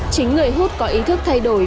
chính người hút có ý thức thay đổi